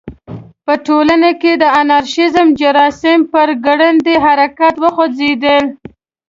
په ټولنه کې د انارشیزم جراثیم په ګړندي حرکت وخوځېدل.